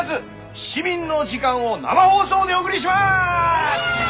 「市民の時間」を生放送でお送りします！